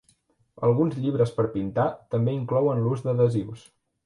Alguns llibres per pintar també inclouen l'ús d'adhesius.